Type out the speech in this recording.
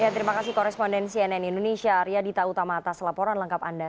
terima kasih korespondensi nn indonesia arya dita utama atas laporan lengkap anda